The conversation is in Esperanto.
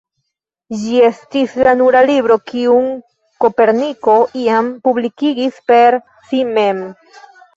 Ĝi estis la nura libro kiun Koperniko iam publikigis per si mem.